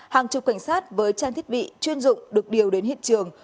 hàng chục cảnh sát với trang thiết bị chuyên dụng được điều đến hiện trường